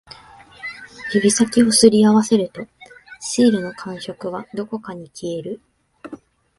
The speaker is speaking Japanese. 指先を擦り合わせると、シールの感触はどこかに消える